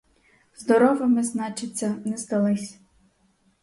Здоровими, значиться, не здались.